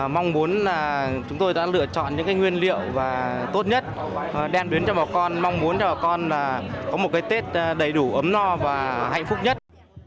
mong muốn là chúng tôi đã lựa chọn những cái nguyên liệu và tốt nhất đem đến cho bà con mong muốn cho bà con là có một cái tết đầy đủ ấm no và hạnh phúc nhất